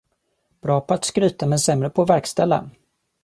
Bra på att skryta men sämre på att verkställa